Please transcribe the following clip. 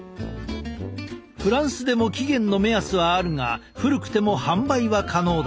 フランスでも期限の目安はあるが古くても販売は可能だ。